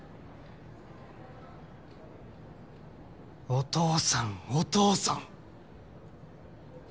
お父さんお父さん。